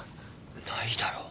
ないだろ。